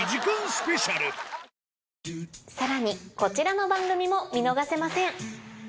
スペシャルさらにこちらの番組も見逃せません。